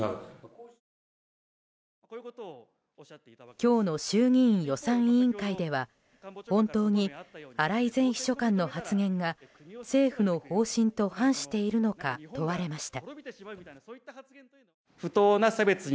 今日の衆議院予算委員会では本当に荒井前秘書官の発言が政府の方針と反しているのか問われました。